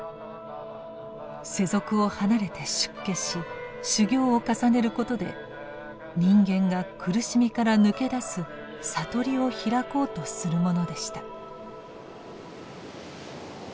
世俗を離れて出家し修行を重ねることで人間が苦しみから脱け出す悟りを開こうとするものでした。